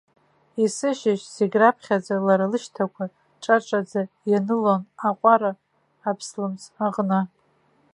Есышьыжь, зегь раԥхьаӡа лара лышьҭақәа ҿаҿаӡа ианылон аҟәара аԥслымӡ аҟны.